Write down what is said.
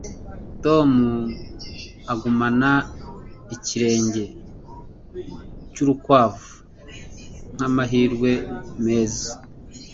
Tom agumana ikirenge cyurukwavu nkamahirwe meza.